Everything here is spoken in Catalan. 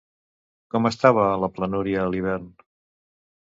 Com estava la planúria a l'hivern?